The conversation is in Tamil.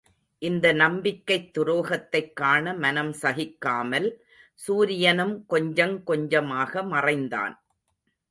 இந்த நம்பிக்கைத் துரோகத்தைக் காண மனம் சகிக்காமல், சூரியனும் கொஞ்சங் கொஞ்சமாக மறைந்தான்.